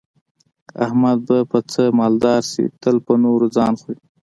احمد به په څه مالدار شي، تل په نورو ځان خوري.